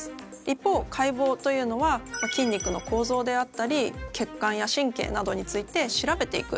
一方解剖というのは筋肉の構造であったり血管や神経などについて調べていくという作業になります。